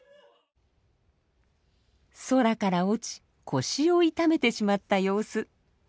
空から落ち腰を痛めてしまった様子。